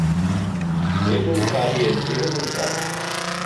És un para-i-engega constant.